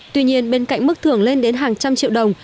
tuy nhiên bên cạnh mức thưởng lên đến hàng trăm triệu đồng